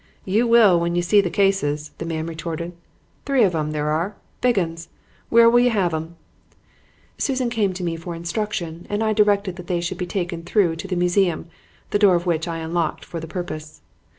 "'You will when you see the cases,' the man retorted. 'Three of 'em, there are. Big uns. Where will you have 'em?' "Susan came to me for instructions and I directed that they should be taken through to the museum, the door of which I unlocked for the purpose.